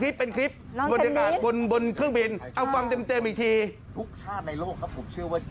บรรยากาศบนเครื่องบินเอาฟังเต็มอีกทีทุกชาติในโลกครับผมเชื่อว่า